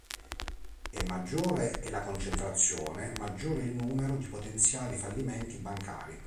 E maggiore è la concentrazione, maggiore è il numero di potenziali fallimenti bancari".